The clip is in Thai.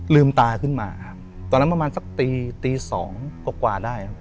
ลืมตาขึ้นมาครับตอนนั้นประมาณสักตีตีสองกว่าได้ครับ